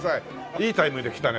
いいタイミングで来たね